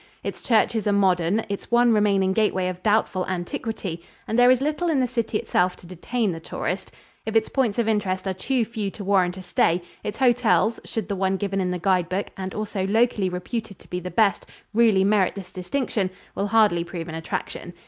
Its churches are modern, its one remaining gateway of doubtful antiquity, and there is little in the city itself to detain the tourist. If its points of interest are too few to warrant a stay, its hotels should the one given in the guide book and also locally reputed to be the best, really merit this distinction will hardly prove an attraction.